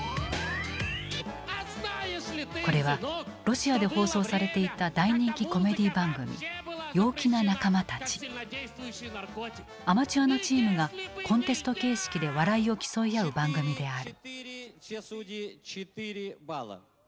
これはロシアで放送されていた大人気コメディー番組アマチュアのチームがコンテスト形式で笑いを競い合う番組である。